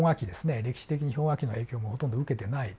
歴史的に氷河期の影響もほとんど受けてないと。